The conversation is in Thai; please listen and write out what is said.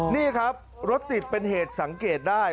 นี่ครับรถติดเป็นเหตุสังเกตได้